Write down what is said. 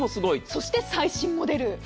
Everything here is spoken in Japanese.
そして最新モデル。